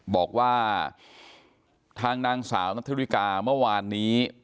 บอกว่าทางนางสาวนัทธริกาเมื่อวานนี้